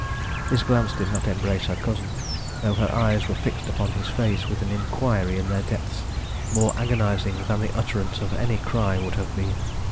His glance did not embrace her cousin, though her eyes were fixed upon his face with an inquiry in their depths more agonizing than the utterance of any cry would have been.